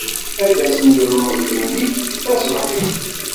Ad d-asen yelemẓiyen-ik taṣebḥit.